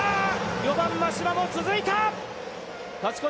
４番真柴も続いた。